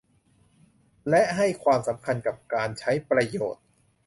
และให้ความสำคัญกับการใช้ประโยชน์